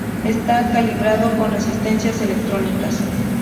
Está calibrado con resistencias electrónicas.